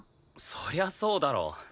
そりゃそうだろ。